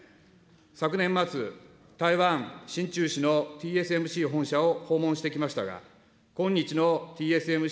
昨年末、台湾・新竹市のＴＳＭＣ本社を訪問してきましたが、今日のＴＳＭＣ